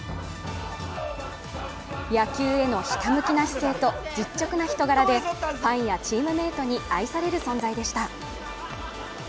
野球へのひたむきな姿勢と実直な人柄でファンやチームメートに愛される存在でした。